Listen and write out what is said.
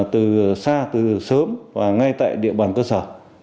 từ xa từ sớm và ngay tại địa bàn cơ sở